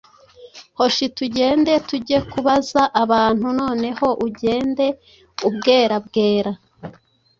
Hoshi tugende tuge kubaza abantu noneho ugende ubwerabwera!